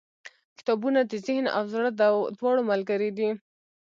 • کتابونه د ذهن او زړه دواړو ملګري دي.